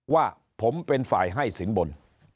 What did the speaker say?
ว่าผมเป็นฝ่ายให้สินบน